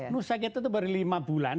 nusakita itu baru lima bulan